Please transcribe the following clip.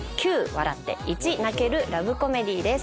笑って１泣けるラブコメディーです。